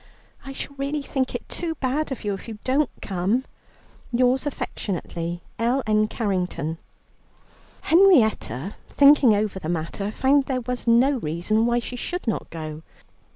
I shall really think it too bad of you, if you don't come. Your affec., L. N. CARRINGTON." Henrietta, thinking over the matter, found there was no reason why she should not go.